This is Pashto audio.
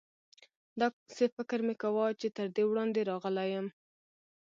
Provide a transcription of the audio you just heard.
داسې فکر مې کاوه چې تر دې وړاندې راغلی یم.